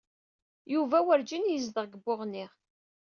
Yuba werjin yezdiɣ deg Buɣni.